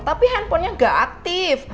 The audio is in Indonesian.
tapi handphonenya nggak aktif